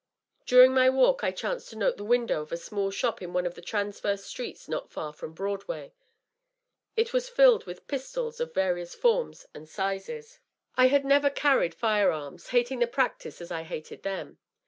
During my walk I chanced to note the window of a small shop in one of the transverse streets not far from Broadway. It was filled with pistols of various forms and sizes. I had never carried fire arms, hating the practice as I hated them.